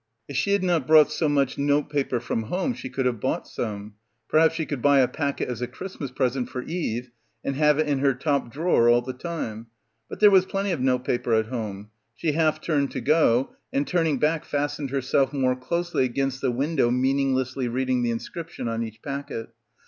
If she had not brought so much note paper from home she could have bought some. Perhaps she could buy a packet as a Christmas present for Eve and have it in her top drawer all the time. But there was plenty of note paper at home. She half turned to go, and turning back fastened her self more closely against the window meaning lessly reading the inscription on each packet.